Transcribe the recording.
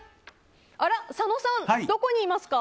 佐野さん、どこにいますか？